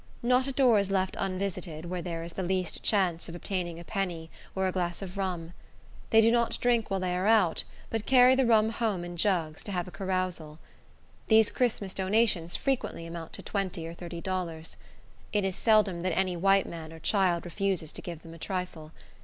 Not a door is left unvisited where there is the least chance of obtaining a penny or a glass of rum. They do not drink while they are out, but carry the rum home in jugs, to have a carousal. These Christmas donations frequently amount to twenty or thirty dollars. It is seldom that any white man or child refuses to give them a trifle.